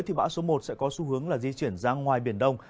thì bão số một sẽ có xu hướng là di chuyển ra ngoài biển đông